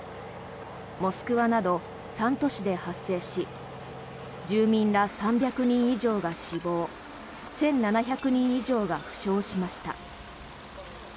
モスクワなど３都市で発生し住民ら３００人以上が死亡１７００人以上が負傷しました。